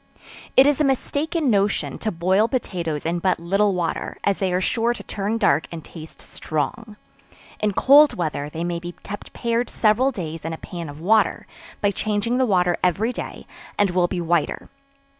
It is a mistaken notion, to boil potatoes in but little water, as they are sure to turn dark and taste strong. In cold weather they may be kept pared several days in a pan of water, by changing the water every day, and will be whiter.